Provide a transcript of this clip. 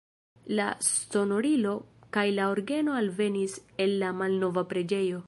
La sonorilo kaj la orgeno alvenis el la malnova preĝejo.